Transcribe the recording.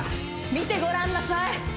見てごらんなさい